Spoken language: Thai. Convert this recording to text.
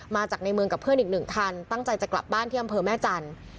มาจากในเมืองกับเพื่อนอีกหนึ่งคันตั้งใจจะกลับบ้านที่อำเภอแม่จันทร์